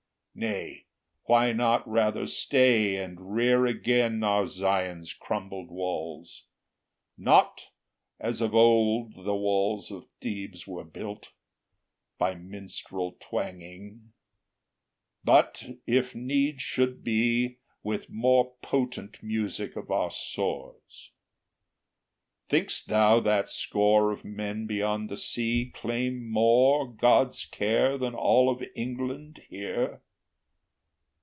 Nay, why not rather stay And rear again our Zion's crumbled walls, Not, as of old the walls of Thebes were built, By minstrel twanging, but, if need should be, With the more potent music of our swords? Think'st thou that score of men beyond the sea Claim more God's care than all of England here?